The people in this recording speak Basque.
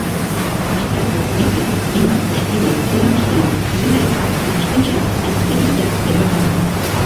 Astearte honetan hainbat positibo atzeman ostean, zuzendaritzak ikastetxea ez irekitzea erabaki du.